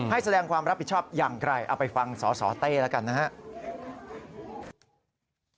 แสดงความรับผิดชอบอย่างไกลเอาไปฟังสสเต้แล้วกันนะครับ